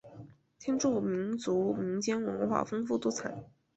天柱民族民间文化丰富多彩。